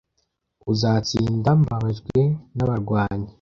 uzatsinda mbabajwe n'abarwanyi